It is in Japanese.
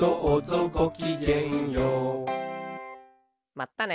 まったね。